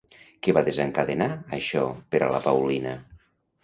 Què va desencadenar això per a la Paulina?